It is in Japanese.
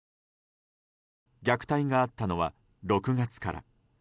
虐待があったのは６月から。